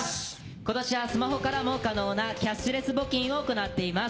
ことしはスマホからも可能なキャッシュレス募金を行っています。